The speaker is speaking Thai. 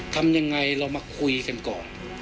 ทำยังไงเรามาคุยกันก่อน